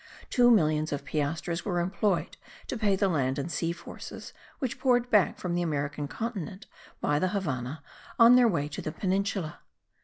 Two millions of piastres were employed to pay the land and sea forces which poured back from the American continent, by the Havannah, on their way to the Peninsula.